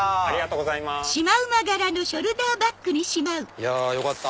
いやよかった。